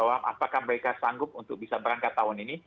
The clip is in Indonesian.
apakah mereka sanggup untuk bisa berangkat tahun ini